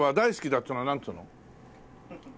っつうのはなんつうの？